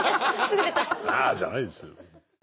「あっ」じゃないですよ。